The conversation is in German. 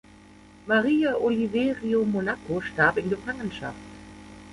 Maria Oliverio-Monaco starb in Gefangenschaft.